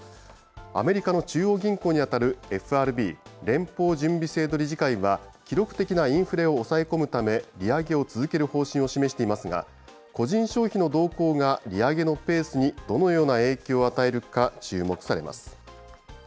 アメリカの中央銀行にあたるＦＲＢ・連邦準備制度理事会は、記録的なインフレを抑え込むため、利上げを続ける方針を示していますが、個人消費の動向が利上げのペースにどのような影響を与えるか注目されます。